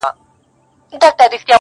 په مسجدونو کي چي لس کلونه ونه موندې~